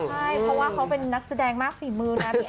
ใช่เพราะว่าเขาเป็นนักแสดงมากฝีมือนะพี่